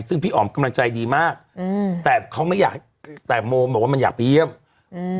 ซึ่งพี่อ๋อมกำลังใจดีมากอืมแต่เขาไม่อยากแต่โมบอกว่ามันอยากไปเยี่ยมอืม